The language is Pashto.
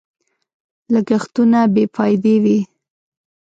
لګښتونه بې فايدې وي.